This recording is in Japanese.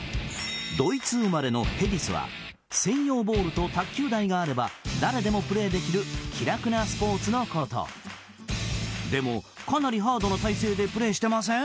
ドイツ生まれのヘディスは専用ボールと卓球台があれば誰でもプレーできる気楽なスポーツのことでもかなりハードな体勢でプレーしてません？